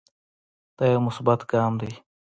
دا يو مثبت ګام دے